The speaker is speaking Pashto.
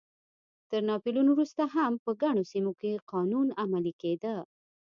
تر ناپلیون وروسته هم په ګڼو سیمو کې قانون عملی کېده.